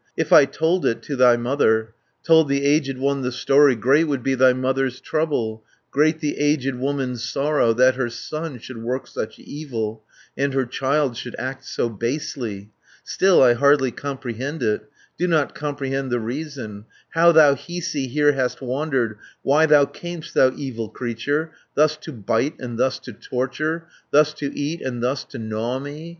160 If I told it to thy mother, Told the aged one the story, Great would be thy mother's trouble, Great the aged woman's sorrow, That her son should work such evil, And her child should act so basely. "Still I hardly comprehend it, Do not comprehend the reason, How thou, Hiisi, here hast wandered, Why thou cam'st, thou evil creature, 170 Thus to bite, and thus to torture, Thus to eat, and thus to gnaw me.